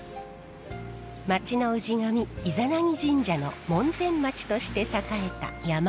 町の氏神伊射奈岐神社の門前町として栄えた山田地区。